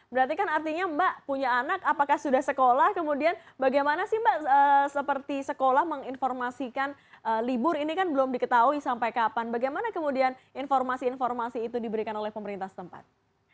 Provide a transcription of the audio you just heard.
berarti kan artinya mbak punya anak apakah sudah sekolah kemudian bagaimana sih mbak seperti sekolah menginformasikan libur ini kan belum diketahui sampai kapan bagaimana kemudian informasi informasi itu diberikan oleh pemerintah tempat